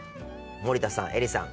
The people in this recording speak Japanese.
森田さん映里さん